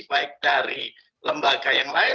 baik dari lembaga yang lain